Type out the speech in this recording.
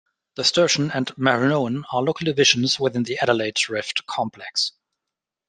The Sturtian and Marinoan are local divisions within the Adelaide Rift Complex.